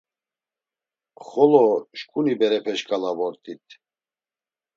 Xolo şǩuni berepe şǩala vort̆it.